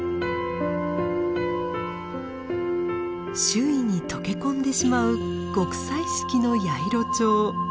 周囲に溶け込んでしまう極彩色のヤイロチョウ。